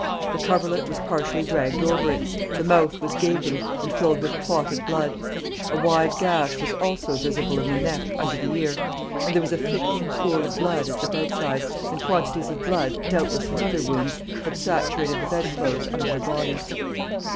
The coverlet was partially dragged over it. The mouth was gaping, and filled with clotted blood; a wide gash was also visible in the neck, under the ear; and there was a thickening pool of blood at the bedside, and quantities of blood, doubtless from other wounds, had saturated the bedclothes under the body.